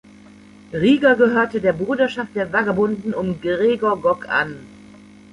Rieger gehörte der Bruderschaft der Vagabunden um Gregor Gog an.